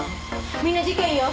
みんな事件よ。